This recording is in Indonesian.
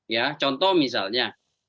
ya contoh misalnya